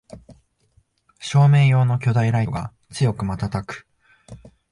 照明用の巨大ライトが強くまたたく